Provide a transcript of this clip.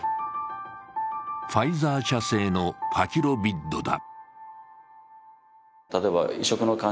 ファイザー社製のパキロビッドだ。